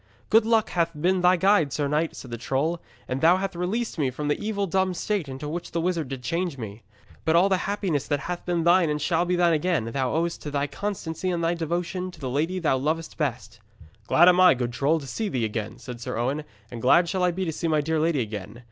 'Good luck hath been thy guide, sir knight,' said the troll, 'and thou hath released me from the evil dumb shape into which this wizard did change me. But all the happiness that hath been thine and shall be thine again, thou owest to thy constancy and thy devotion to the lady thou lovest best.' 'Glad am I, good troll, to see thee again,' said Sir Owen, 'and glad shall I be to see my dear lady again.